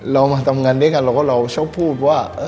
เรามาทำงานด้วยกันเราก็เราชอบพูดว่า